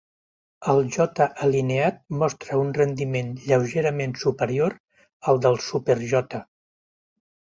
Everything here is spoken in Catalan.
El J alineat mostra un rendiment lleugerament superior al del Super-J.